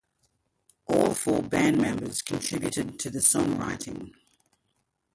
All four band members contributed to the songwriting.